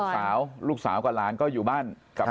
ส่วนลูกสาวกับหลานก็อยู่บ้าน